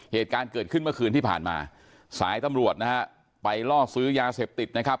เหตุการณ์เกิดขึ้นเมื่อคืนที่ผ่านมาสายตำรวจนะฮะไปล่อซื้อยาเสพติดนะครับ